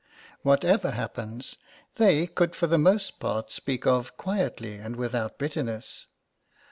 Whatever happens they could for the most part speak of quietly and without bitterness.